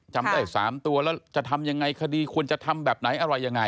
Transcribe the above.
จำได้๓ตัวแล้วจะทำยังไงคดีควรจะทำแบบไหนอะไรยังไง